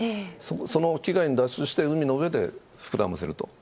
その機外に脱出して海の上で膨らませると。